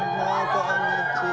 こんにちは！